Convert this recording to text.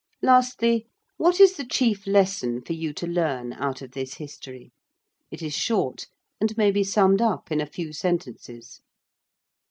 Lastly, what is the chief lesson for you to learn out of this history? It is short, and may be summed up in a few sentences.